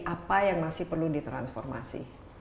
apa yang masih perlu ditransformasi